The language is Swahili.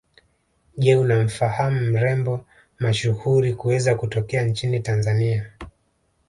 Je unamfahamu mrembo mashuhuri kuweza kutokea nchini Tanzania